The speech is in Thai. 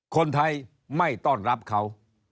คนไทยไม่ต้อนรับเขา